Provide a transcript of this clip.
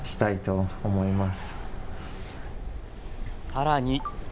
さらに。